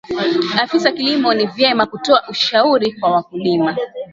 afisa kilimo ni vyema kutoa ushauri kwa wakulima